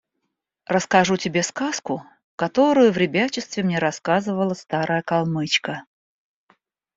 – Расскажу тебе сказку, которую в ребячестве мне рассказывала старая калмычка.